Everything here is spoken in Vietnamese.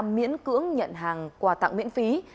miễn cưỡng nhận hàng quà tặng miễn phí